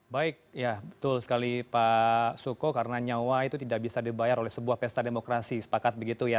baik ya betul sekali pak suko karena nyawa itu tidak bisa dibayar oleh sebuah pesta demokrasi sepakat begitu ya